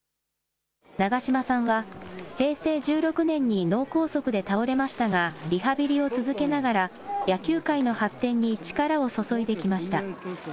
長嶋さんは、平成１６年に脳梗塞で倒れましたが、リハビリを続けながら、野球界の発展に力を注いできました。